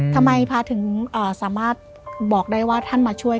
ทำไมพระถึงสามารถบอกได้ว่าท่านมาช่วย